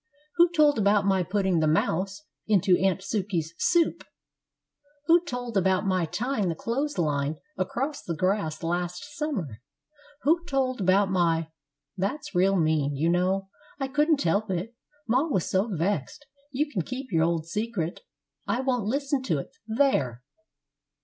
Who told about my putting the mouse into Aunt Sukey's soup? Who told about my tying the clothes line across the grass last summer? Who told about my " "That's real mean; you know I couldn't help it, ma was so vexed. You can keep your old secret; I won't listen to it there!"